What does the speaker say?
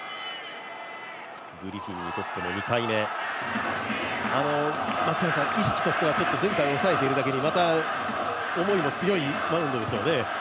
グリフィンにとっても２回目意識としては前回おさえているだけに思いも強いマウンドですよね。